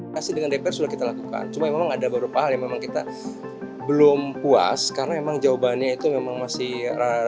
pasti dengan dpr sudah kita lakukan cuma memang ada beberapa hal yang memang kita belum puas karena memang jawabannya itu memang masih relatif